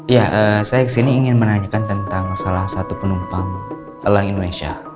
ya saya kesini ingin menanyakan tentang salah satu penumpang elang indonesia